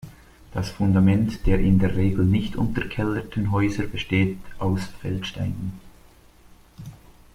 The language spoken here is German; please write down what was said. Das Fundament der in der Regel nicht unterkellerten Häuser besteht aus Feldsteinen.